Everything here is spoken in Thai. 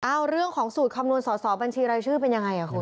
เรื่องของสูตรคำนวณสอสอบัญชีรายชื่อเป็นยังไงอ่ะคุณ